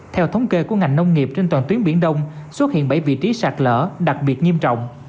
theo thống kê của ngành nông nghiệp trên toàn tuyến biển đông xuất hiện bảy vị trí sạt lở đặc biệt nghiêm trọng